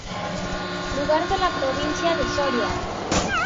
Lugar de la provincia de Soria.